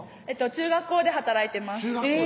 中学校で働いてます